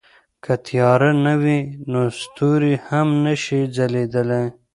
که تیاره نه وي نو ستوري هم نه شي ځلېدلی.